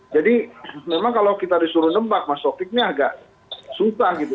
jadi memang kalau kita disuruh nembak mas sofiknya agak susah gitu